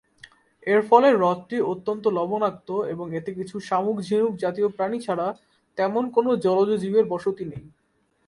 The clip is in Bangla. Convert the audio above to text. এর ফলে হ্রদটি অত্যন্ত লবণাক্ত এবং এতে কিছু শামুক-ঝিনুক জাতীয় প্রাণী ছাড়া তেমন কোন জলজ জীবের বসতি নেই।